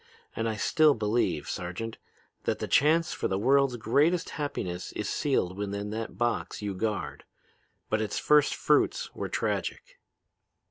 And I still believe, Sergeant, that the chance for the world's greatest happiness is sealed within that box you guard. But its first fruits were tragic."